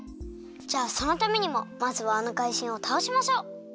じゃあそのためにもまずはあのかいじんをたおしましょう！